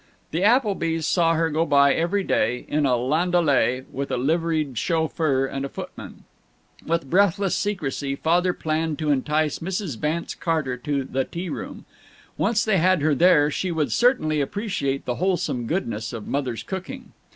The Applebys saw her go by every day, in a landaulet with liveried chauffeur and footman. With breathless secrecy Father planned to entice Mrs. Vance Carter to "The T Room." Once they had her there, she would certainly appreciate the wholesome goodness of Mother's cooking.